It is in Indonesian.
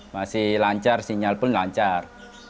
masih lancar sinyal pun lancar